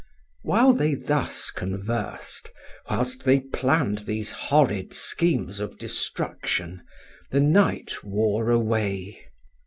Whilst thus they conversed, whilst they planned these horrid schemes of destruction, the night wore away.